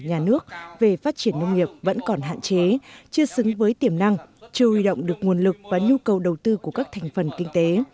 nhà nước về phát triển nông nghiệp vẫn còn hạn chế chưa xứng với tiềm năng chưa huy động được nguồn lực và nhu cầu đầu tư của các thành phần kinh tế